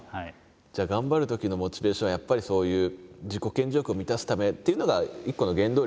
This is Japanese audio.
じゃあ頑張るときのモチベーションはやっぱりそういう自己顕示欲を満たすためっていうのが一個の原動力なんですかね。